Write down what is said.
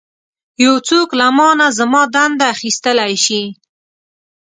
یو څوک له مانه زما دنده اخیستلی شي.